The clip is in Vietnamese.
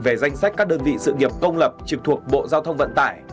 về danh sách các đơn vị sự nghiệp công lập trực thuộc bộ giao thông vận tải